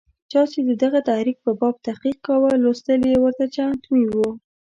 چا چې د دغه تحریک په باب تحقیق کاوه، لوستل یې ورته حتمي وو.